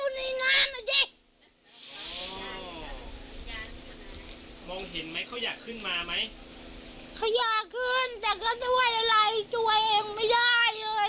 แต่เค้าช่วยอะไรช่วยเองไม่ได้เลย